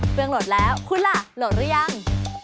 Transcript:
เครื่องโหลดแล้วคุณล่ะโหลดหรือยัง